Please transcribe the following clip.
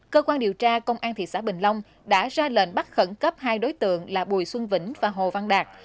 cơ quan điều tra công an thị xã bình long đã ra lệnh bắt khẩn cấp hai đối tượng là bùi xuân vĩnh và hồ văn đạt